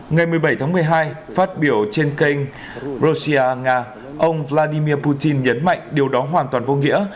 ngày một mươi bảy tháng một mươi hai phát biểu trên kênh rossia nga ông vladimir putin nhấn mạnh điều đó hoàn toàn vô nghĩa